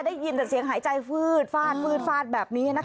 ได้ยินแต่เสียงหายใจฟืดฟาดฟืดฟาดแบบนี้นะคะ